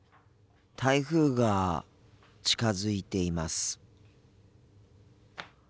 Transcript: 台風が近づいています。